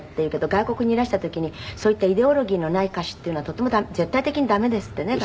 外国にいらした時にそういったイデオロギーのない歌手っていうのはとても絶対的に駄目ですってね